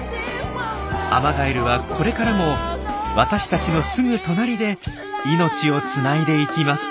アマガエルはこれからも私たちのすぐ隣で命をつないでいきます。